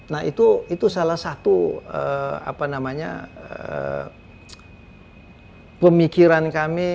nah itu salah satu pemikiran kami